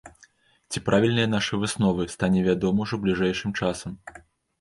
Ці правільныя нашы высновы, стане вядома ўжо бліжэйшым часам.